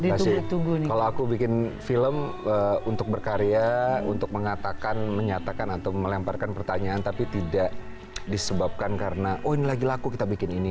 kalau aku bikin film untuk berkarya untuk mengatakan menyatakan atau melemparkan pertanyaan tapi tidak disebabkan karena oh ini lagi laku kita bikin ini